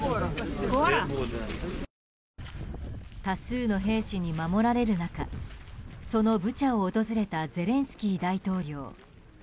多数の兵士に守られる中そのブチャを訪れたゼレンスキー大統領。